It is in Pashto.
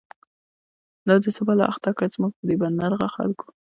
دا دی څه بلا اخته کړه، زموږ په دی بد مرغو خلکو